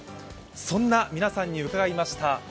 そんな皆さんに伺いました。